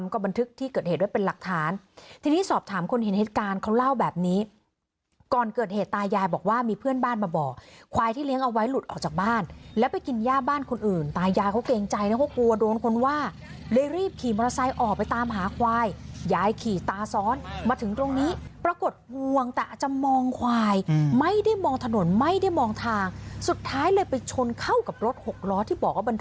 ก็บันทึกที่เกิดเหตุด้วยเป็นหลักฐานที่ที่สอบถามคนเห็นเหตุการณ์เขาเล่าแบบนี้ก่อนเกิดเหตุตายายบอกว่ามีเพื่อนบ้านมาบ่อควายที่เลี้ยงเอาไว้หลุดออกจากบ้านแล้วไปกินย่าบ้านคนอื่นตายายเขาเกรงใจแล้วก็กลัวโดนคนว่าเลยรีบขี่มอเตอร์ไซค์ออกไปตามหาควายยายขี่ตาซ้อนมาถึงตรงนี้ปรากฏห่วงแต่จะมองควายไม่